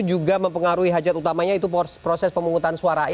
juga mempengaruhi hajat utamanya itu proses pemungutan suara